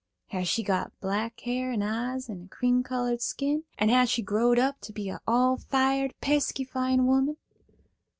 Has she got black hair and eyes and a cream colored skin, and has she growed up to be a all fired pesky fine woman?"